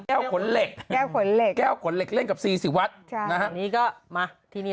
แก้วกลเล็กแก้วกลเล็กเล่นกับสี่สิวัตรน่ะฮะนี่ก็มาที่นี่